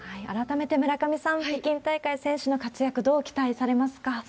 改めて村上さん、北京大会、選手の活躍、どう期待されますか？